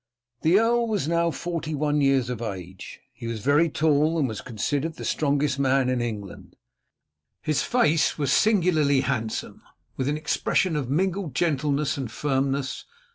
The earl was now forty one years of age. He was very tall, and was considered the strongest man in England. His face was singularly handsome, with an expression of mingled gentleness and firmness.